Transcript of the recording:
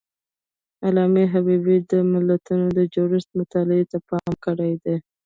علامه حبيبي د ملتونو د جوړښت مطالعې ته پام کړی دی.